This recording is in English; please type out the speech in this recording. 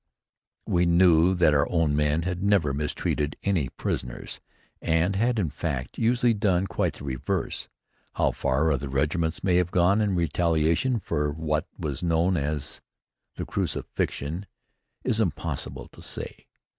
We knew that our own men had never mistreated any prisoners and had in fact usually done quite the reverse. How far other regiments may have gone in retaliation for what was known as "The Crucifixion," it is impossible to say.